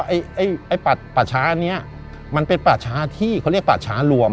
อ๋อไอ้ปัชชานี้มันเป็นปัชชาที่เขาเรียกปัชชารวม